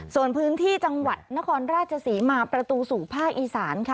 ส่วนพื้นที่จังหวัดนครราชศรีมาประตูสู่ภาคอีสานค่ะ